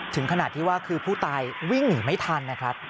ถึงขนาดที่ว่าคือผู้ตายวิ่งหนีไม่ทันนะครับ